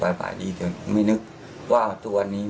ด้วยที่ดูงสัมภัณฑ์หน้ากบ้าง